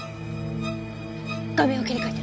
画面を切り替えて。